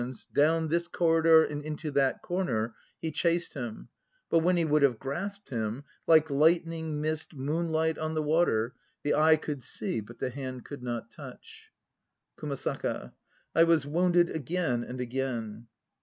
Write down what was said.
68 THE NO PLAYS OF JAPAN Down this corridor and into this corner he chased him, but when he would have grasped him, Like lightning, mist, moonlight on the water, The eye could see, but the hand could not touch. KUMASAKA. I was wounded again and again.